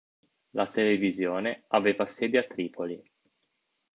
La televisione aveva sede a Tripoli.